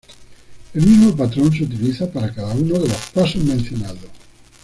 El mismo patrón se utiliza para cada uno de los pasos mencionados.